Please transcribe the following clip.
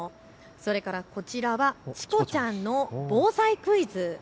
それからこちらはチコちゃんの防災クイズ。